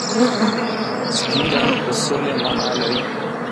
سپین رنګ د سولې مانا لري.